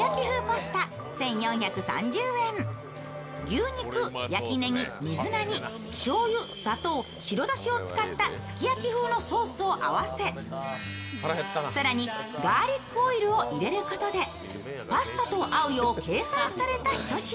牛肉、焼きねぎ、水菜にしょうゆ、砂糖、白だしを使ったすき焼き風のソースを合わせ、更にガーリックオイルを入れることでパスタと合うよう計算されたひと品。